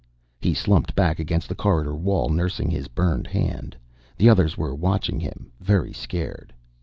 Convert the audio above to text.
He slumped back against the corridor wall, nursing his burned hand. The others were watching him, very scared.